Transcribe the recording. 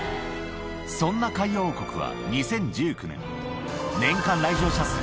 そんな海洋王国は２０１９年、年間来場者数